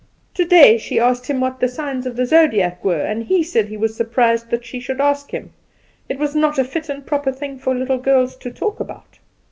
Today she asked him what the signs of the Zodiac were, and he said he was surprised that she should ask him; it was not a fit and proper thing for little girls to talk about.